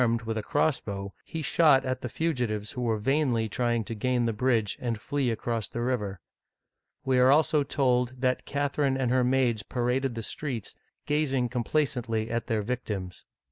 uigitizea Dy VJJWVJV IC 264 '' OLD FRANCE with a crossbow, he shot at the fugitives who were vainly trying to gain the bridge and flee across the river. We are also told that Catherine and her maids paraded the streets, gazing complacently at their victims.